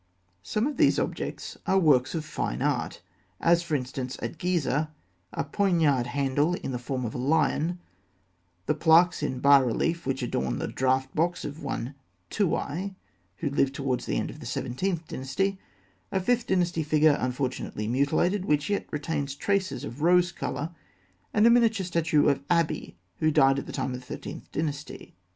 Some of these objects are works of fine art; as for instance at Gizeh, a poignard handle in the form of a lion; the plaques in bas relief which adorn the draught box of one Tûaï, who lived towards the end of the Seventeenth Dynasty; a Fifth Dynasty figure, unfortunately mutilated, which yet retains traces of rose colour; and a miniature statue of Abi, who died at the time of the Thirteenth Dynasty.